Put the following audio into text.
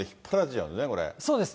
そうです。